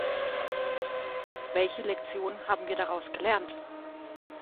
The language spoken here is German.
Welche Lektion haben wir daraus gelernt?